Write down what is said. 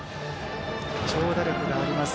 長打力があります。